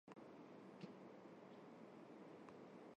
Մանուկ հասակում ցանկանում էր դառնալ հետաքննիչ կամ թատերական ռեժիսոր։